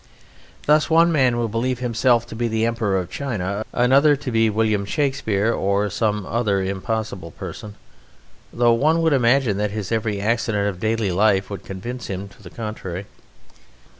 Thus one man will believe himself to be the Emperor of China, another to be William Shakespeare or some other impossible person, though one would imagine that his every accident of daily life would convince him to the contrary.